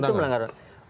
justru itu melanggar